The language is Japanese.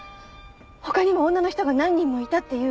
他にも女の人が何人もいたっていう噂を。